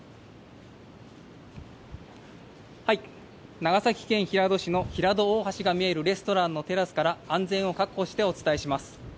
長崎県平戸市の平戸大橋が見えるレストランのテラスから、安全を確保してお伝えします。